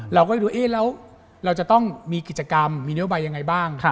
เราก็ให้ดูเอ๊ยเราจะต้องมีกิจกรรมมีนวบตรองยังไงบ้าง